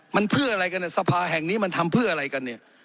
มันเพื่ออะไรกันสภาแห่งนี้มันทำเพื่ออะไรกันเนี่ย